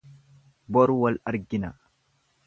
Boru wal-argina.